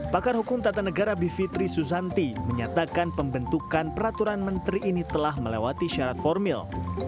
pakar hukum tata negara bivitri susanti menyatakan pembentukan peraturan menteri ini telah melewati syarat formil